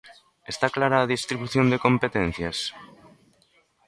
¿Está clara a distribución de competencias?